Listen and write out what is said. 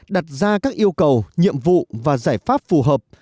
đặt ra các yêu cầu nhiệm vụ và giải pháp phù hợp